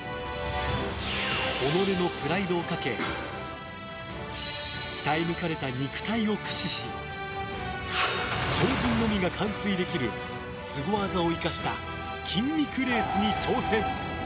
己のプライドをかけ鍛え抜かれた肉体を駆使し超人のみが完遂できるスゴ技を生かした筋肉レースに挑戦。